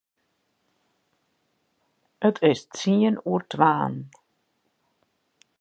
It is tsien oer twaen.